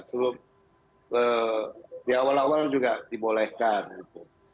sebelum di awal awal juga dibolehkan gitu